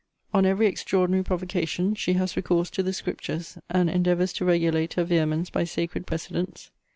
On every extraordinary provocation she has recourse to the Scriptures, and endeavours to regulate her vehemence by sacred precedents.